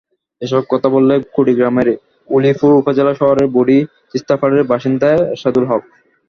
এসব কথা বললেন কুড়িগ্রামের উলিপুর উপজেলা শহরের বুড়ি তিস্তাপাড়ের বাসিন্দা এরশাদুল হক।